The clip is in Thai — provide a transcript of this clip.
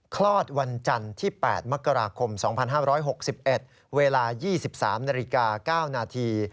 คลอดวันจันทร์ที่๘มกราคม๒๕๖๑เวลา๒๓นาฬิกา๙นาที